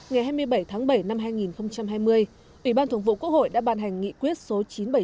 ngày hai mươi bảy tháng bảy năm hai nghìn hai mươi ủy ban thường vụ quốc hội đã ban hành nghị quyết số chín trăm bảy mươi chín